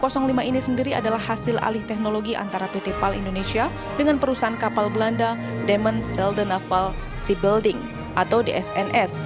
kapal perang pkr satu ratus lima ini sendiri adalah hasil alih teknologi antara pt pal indonesia dengan perusahaan kapal belanda demen seldenafal seabuilding atau dsns